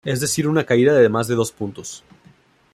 Es decir una caída de más de dos puntos.